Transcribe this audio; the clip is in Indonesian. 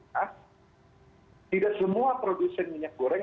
tidak semua produsen minyak goreng